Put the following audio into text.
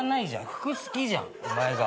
服好きじゃんお前が。